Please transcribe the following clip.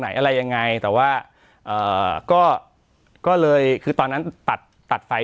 อะไรยังไงแต่ว่าเอ่อก็เลยคือตอนนั้นตัดตัดไฟ